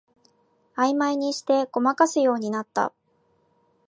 あいまいにしてごまかすようになった